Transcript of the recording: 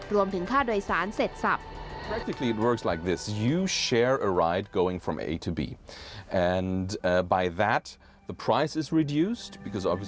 รวมถึงค่าโดยสารเสร็จสับ